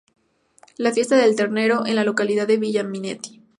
La Fiesta del Ternero en la localidad de Villa Minetti.